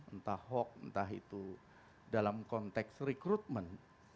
entah hoax entah itu dalam konteks rekrutmen